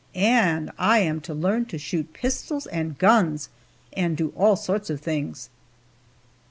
And I am to learn to shoot pistols and guns, and do all sorts of things.